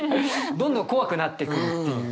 どんどん怖くなってくっていう。